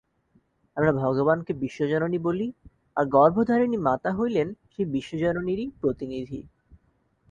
আমরা ভগবানকে বিশ্বজননী বলি, আর গর্ভধারিণী মাতা হইলেন সেই বিশ্বজননীরই প্রতিনিধি।